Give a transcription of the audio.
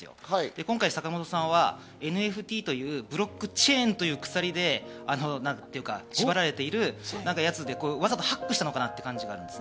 今回坂本さんはＮＦＴというブロックチェーンという鎖で縛られているやつで、わざとハックしたのかな？という感じです。